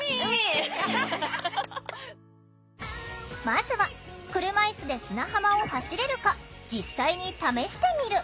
まずは車いすで砂浜を走れるか実際に試してみる。